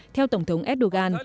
theo tổng thống erdogan